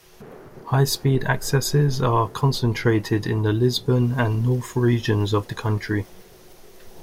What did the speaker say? High-speed accesses are concentrated in the Lisbon and North regions of the country.